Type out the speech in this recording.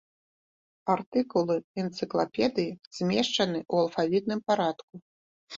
Артыкулы энцыклапедыі змешчаны ў алфавітным парадку.